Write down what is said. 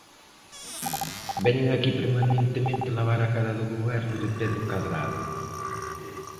Veñen aquí permanentemente lavar a cara do Goberno de Pedro Cadrado.